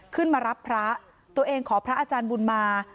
ขึ้นมารับพระตัวเองขอพระอาจารย์บุญมา